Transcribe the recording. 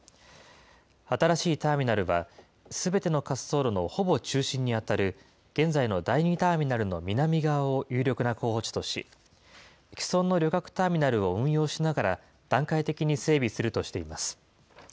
新しいターミナルは、すべての滑走路のほぼ中心に当たる現在の第２ターミナルの南側を有力な候補地とし、既存の旅客ターミナルを運用しながら、段階的に整備するとしています。